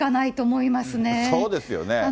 そうですよね。